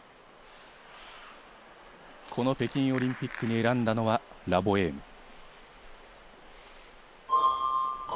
この北京オリンピックに選んだのは、『ラ・ボエーム』。